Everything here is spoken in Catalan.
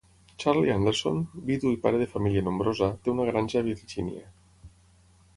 Charlie Anderson, vidu i pare de família nombrosa, té una granja a Virgínia.